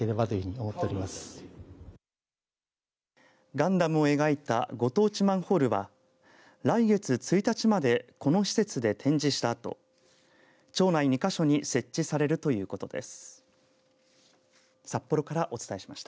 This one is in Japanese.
ガンダムを描いたご当地マンホールは来月１日までこの施設で展示したあと町内２か所に設置されるということです。